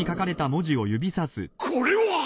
これは！？